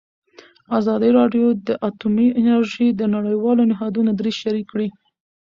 ازادي راډیو د اټومي انرژي د نړیوالو نهادونو دریځ شریک کړی.